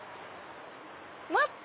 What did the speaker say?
待って！